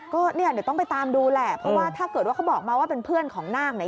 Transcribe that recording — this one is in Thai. ก็เนี่ยเดี๋ยวต้องไปตามดูแหละเพราะว่าถ้าเกิดว่าเขาบอกมาว่าเป็นเพื่อนของนาคเนี่ย